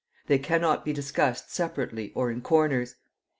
They cannot be discussed separately or in corners.